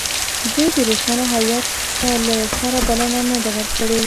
ده د روسانو هیات ته له سره بلنه نه ده ورکړې.